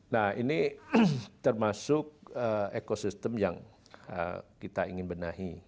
nah ini termasuk ekosistem yang kita ingin benahi